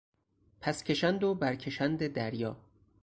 پسکشند و برکشند دریا